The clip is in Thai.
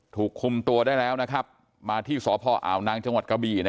ถูกคุมตัวได้แล้วมาที่สพอาวนางจังหวัดกะบี่